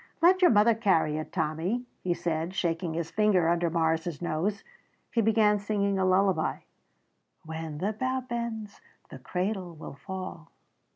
"Let your mother carry it, Tommy," he said, shaking his finger under Morris's nose. He began singing a lullaby. "When the bough bends the cradle will fall."